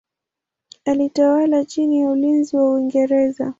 Alitawala chini ya ulinzi wa Uingereza.